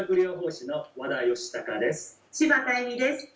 柴田恵美です。